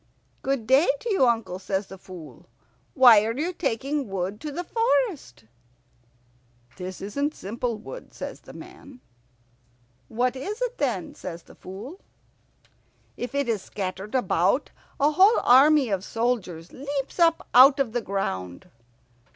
"Good day to you, uncle," says the Fool. "Why are you taking wood to the forest?" "This isn't simple wood," says the man. "What is it, then?" says the Fool. "If it is scattered about, a whole army of soldiers leaps up out of the ground."